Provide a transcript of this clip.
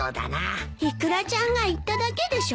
イクラちゃんが言っただけでしょ。